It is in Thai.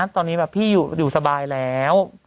ตอนนี้พี่อยู่สบายแล้ว